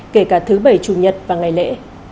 kể cả thứ bảy chủ nhật và ngày lễ